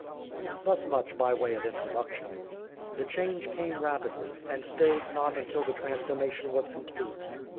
Thus much by way of introduction. The change came rapidly, and stayed not until the transformation was complete.